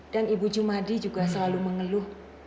dan ibu jumadi juga selalu mengeluh